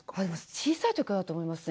小さいときからだと思います。